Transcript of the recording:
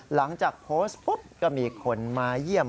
หลังจากโพสต์ปุ๊บก็มีคนมาเยี่ยม